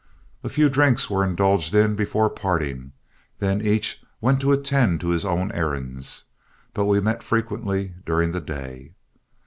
A few drinks were indulged in before parting, then each went to attend to his own errands, but we met frequently during the day.